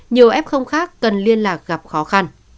nhiều f khác cần liên lạc gặp khó khăn